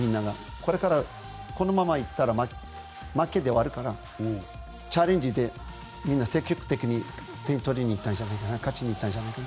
これから、このままいったら負けで終わるからチャレンジでみんな積極的に点を取りに行った勝ちに行ったんじゃないかな。